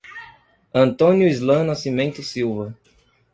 Antônio Islan Nascimento Silva